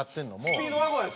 スピードワゴンや！